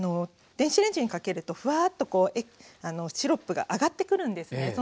電子レンジにかけるとフワッとこうシロップが上がってくるんですね。